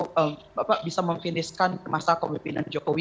bisa menjalankan atau bisa memfiniskan masa kemimpinan jokowi